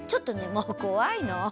もう怖いの。